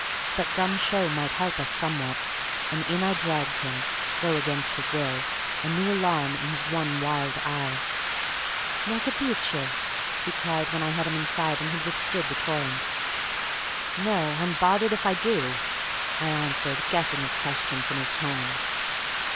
But dumb show might help us somewhat, and in I dragged him, though against his will, a new alarm in his one wild eye. "Non capite?" he cried when I had him inside and had withstood the torrent. "No, I'm bothered if I do!" I answered, guessing his question from his tone.